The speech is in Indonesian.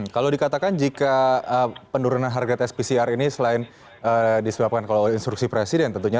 kalau dikatakan jika penurunan harga spcr ini selain disebabkan oleh instruksi presiden tentunya